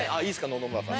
野々村さん。